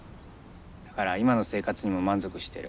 だから今の生活にも満足してる。